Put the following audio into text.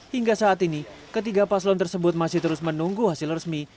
hingga saat ini ketiga paslon tersebut masih terus menunggu hasil resmi